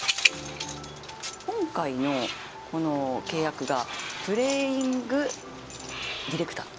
今回の契約がプレーイングディレクター。